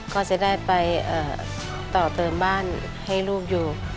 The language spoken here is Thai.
ก็จะได้ไปต่อเติมบ้านให้ลูกอยู่